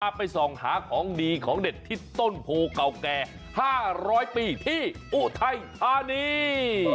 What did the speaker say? ไปส่องหาของดีของเด็ดที่ต้นโพเก่าแก่๕๐๐ปีที่อุทัยธานี